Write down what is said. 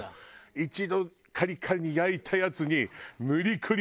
一度カリカリに焼いたやつに無理くり。